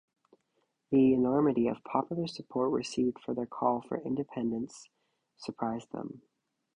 The enormity of popular support received for their call for independence surprised them.